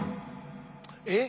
えっ？